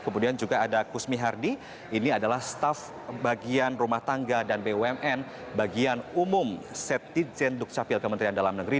kemudian juga ada kusmi hardi ini adalah staff bagian rumah tangga dan bumn bagian umum setizen dukcapil kementerian dalam negeri